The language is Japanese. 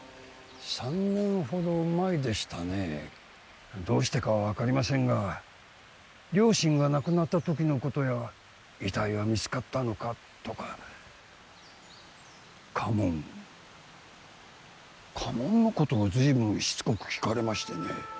３年ほど前でしたねどうしてかは分かりませんが両親が亡くなった時のことや遺体は見つかったのか？とか家紋家紋のことをずいぶんしつこく聞かれましてね